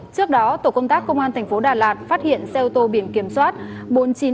trước đó tổ công tác công an thành phố đà lạt phát hiện xe ô tô biển kiểm soát bốn mươi chín x ba nghìn một trăm chín mươi sáu